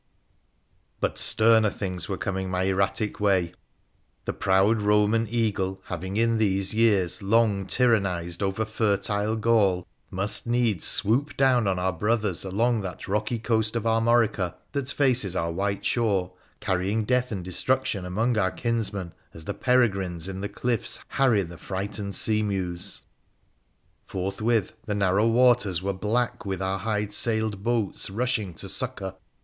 But sterner things were coming my erratic way. The proud Boman Eag' '••'■'" i, ~.—— i««~ *™««v..j se <i PHRA THE PHCEMCIAN 15 over fertile Gaul, must needs swoop down on our brothers along that rocky coast of Armorica that faces our white shore, carrying death and destruction among our kinsmen as the peregrines in the cliffs harry the frightened seamews. Forthwith the narrow waters were black with our hide sailed boats rushing to succour.